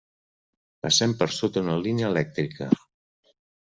Passem per sota una línia elèctrica.